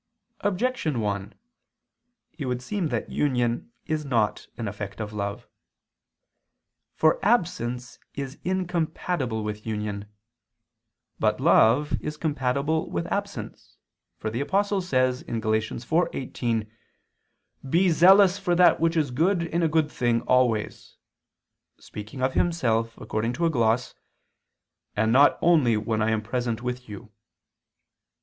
Objection 1: It would seem that union is not an effect of love. For absence is incompatible with union. But love is compatible with absence; for the Apostle says (Gal. 4:18): "Be zealous for that which is good in a good thing always" (speaking of himself, according to a gloss), "and not only when I am present with you."